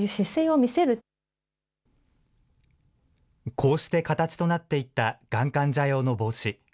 こうして形となっていったがん患者用の帽子。